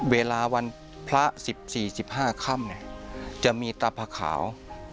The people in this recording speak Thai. เวลาวันพระ๑๔๑๕ค่ำจะมีตาผะขาว